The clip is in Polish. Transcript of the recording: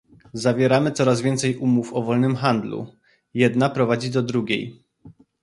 Zawieramy coraz więcej umów o wolnym handlu - jedna prowadzi do drugiej